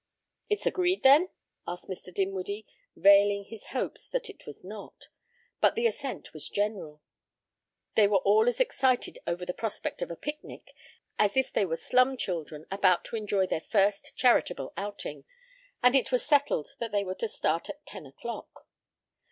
"It's agreed then?" asked Mr. Dinwiddie, veiling his hope that it was not. But the assent was general. They were all as excited over the prospect of a picnic as if they were slum children about to enjoy their first charitable outing, and it was settled that they were to start at ten o'clock.